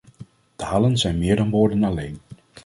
Talen zijn meer dan woorden alleen.